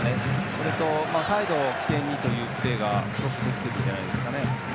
それと、サイドを起点にというプレーができてるんじゃないですかね。